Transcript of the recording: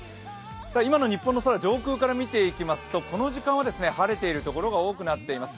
今の日本の空、上空から見ていきますと、この時間はですね晴れている所が多くなっています。